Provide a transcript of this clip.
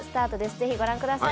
ぜひご覧ください。